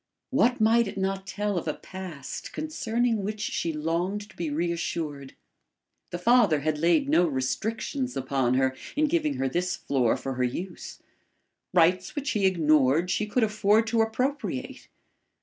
What might it not tell of a past concerning which she longed to be reassured? The father had laid no restrictions upon her, in giving her this floor for her use. Rights which he ignored she could afford to appropriate.